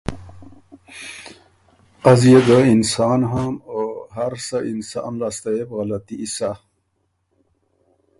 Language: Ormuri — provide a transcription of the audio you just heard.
از يې ګه انسان هوم او هر سۀ اِنسان لاسته يې بو غلطي سۀ۔